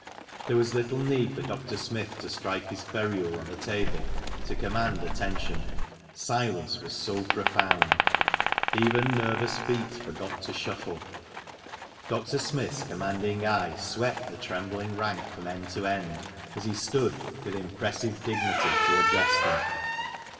There was little need for Dr. Smith to strike his ferule on the table to command attention, silence was so profound. Even nervous feet forgot to shuffle, Dr. Smith's commanding eye 98 THE MANCHESTER MAN. swept the trembling rank from end to end, as he stood with impressive dignity to address them.